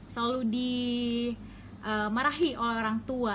selalu dimarahi oleh orang tua